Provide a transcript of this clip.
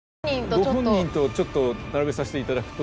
ご本人とちょっと並べさせていただくと。